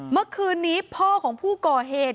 เมื่อคืนนี้พ่อของผู้ก่อเหตุ